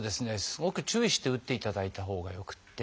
すごく注意して打っていただいたほうがよくて。